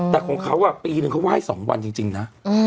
แต่ของเขาปีนึงเขาไหว้๒วันจริงนะ